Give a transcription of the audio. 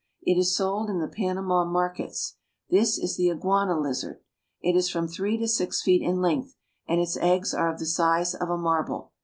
It is sold in the Panama markets. This is the iguana lizard. It is from three to six feet in length, and its eggs are of the size of a marble.